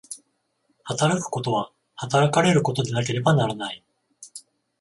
働くことは働かれることでなければならない。